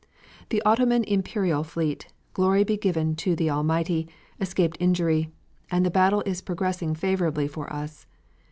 The Ottoman Imperial fleet, glory be given to the Almighty, escaped injury, and the battle is progressing favorably for us.